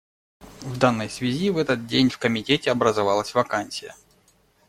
В данной связи в этот день в Комитете образовалась вакансия.